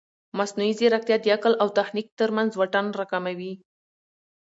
مصنوعي ځیرکتیا د عقل او تخنیک ترمنځ واټن راکموي.